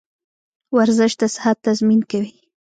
ورزش د صحت تضمین کوي.